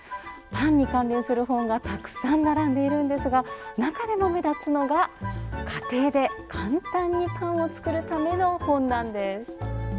パンに関連する本がたくさん並んでいるんですが中でも目立つのが家庭で簡単にパンを作るための本なんです。